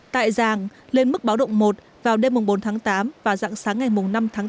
tại giàng lên mức báo động một vào đêm bốn tháng tám và dạng sáng ngày năm tháng tám